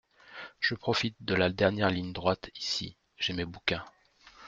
Je profite de la dernière ligne droite ici, j’ai mes bouquins